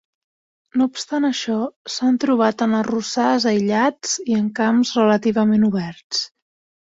No obstant això, s'han trobat en arrossars aïllats i en camps relativament oberts.